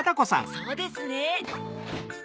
そうですね。